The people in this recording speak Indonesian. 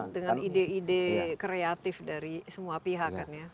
dengan ide ide kreatif dari semua pihak kan ya